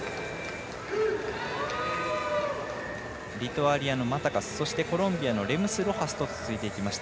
リトアニアのマタカスそして、コロンビアのレムスロハスと続いていきました。